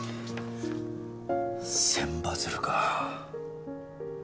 千羽鶴か。